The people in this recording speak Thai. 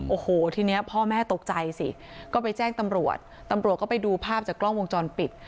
โอ้โหทีนี้พ่อแม่ตกใจสิก็ไปแจ้งตำรวจตำรวจก็ไปดูภาพจากกล้องวงจรปิด